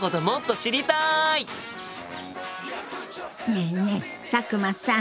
ねえねえ佐久間さん。